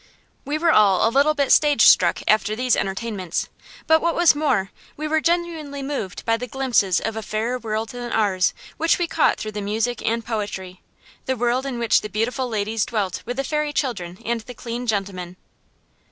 We were all a little bit stage struck after these entertainments; but what was more, we were genuinely moved by the glimpses of a fairer world than ours which we caught through the music and poetry; the world in which the beautiful ladies dwelt with the fairy children and the clean gentlemen.